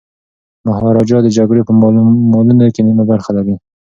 مهاراجا د جګړې په مالونو کي نیمه برخه لري.